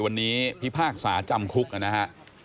วันนี้พิพากษาจำคุกนะฮะ